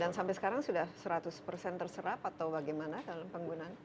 dan sampai sekarang sudah seratus persen terserap atau bagaimana dalam penggunaan